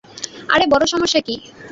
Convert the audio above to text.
আরে বড় সমস্যা কি?